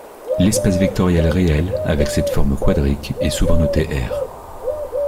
L'espace vectoriel réel avec cette forme quadratique est souvent noté ℝ.